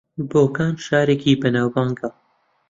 بۆکان شارێکی بەناوبانگە